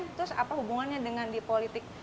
terus apa hubungannya dengan di politik